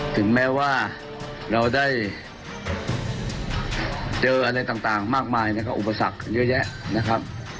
ถึงแม้ว่าเราได้เจออะไรต่างมากมายนะครับอุปสรรคเยอะแยะนะครับ